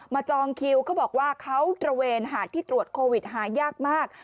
จองคิวเขาบอกว่าเขาตระเวนหาดที่ตรวจโควิดหายากมาก